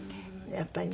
やっぱりね。